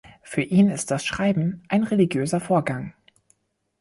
Für ihn ist das Schreiben ein religiöser Vorgang.